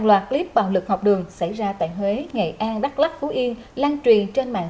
loạt clip bạo lực học đường xảy ra tại huế nghệ an đắk lắc phú yên lan truyền trên mạng